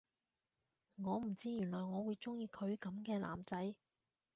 我唔知原來我會鍾意佢噉嘅男仔